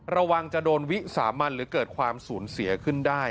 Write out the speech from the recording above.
ระวังจะโดนวิสามันหรือเกิดความสูญเสียขึ้นได้